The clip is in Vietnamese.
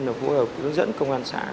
hỗ trợ hướng dẫn công an xã